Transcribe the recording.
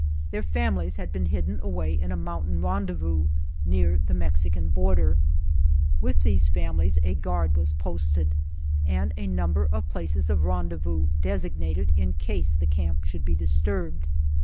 Their families had been hidden away in a mountain rendezvous near the Mexican border. With these families a guard was posted, and a number of places of rendez vous designated in case the camp should be disturbed.